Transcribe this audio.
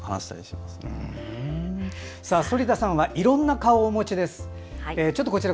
そして反田さんはいろんな顔をお持ちです。